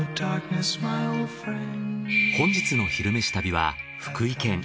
本日の「昼めし旅」は福井県。